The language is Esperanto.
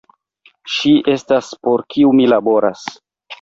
Ŝi estas, por kiu mi laboras.